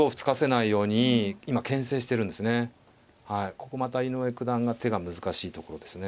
ここまた井上九段が手が難しいところですね。